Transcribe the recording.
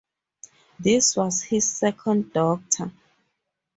This was his second daughter.